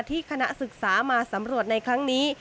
คณะศึกษามาสำรวจในครั้งนี้